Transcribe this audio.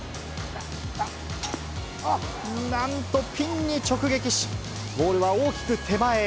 なんと、ピンに直撃し、ボールは大きく手前へ。